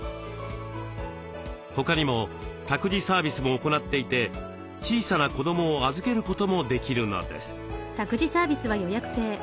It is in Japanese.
他にも託児サービスも行っていて小さな子どもを預けることもできるのです。